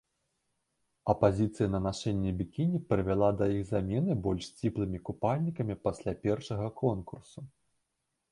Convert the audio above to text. Апазіцыя на нашэнне бікіні прывяла да іх замены больш сціплымі купальнікамі пасля першага конкурсу.